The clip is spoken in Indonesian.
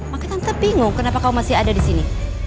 maka tante bingung kenapa kamu masih ada disini